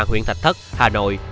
huyện thạch thất hà nội